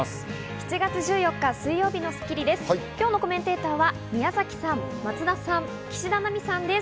７月１４日、水曜日の『スッキリ』です。